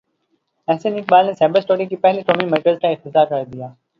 احسن اقبال نے cyber security کے پہلے قومی مرکز کا افتتاح کر دیا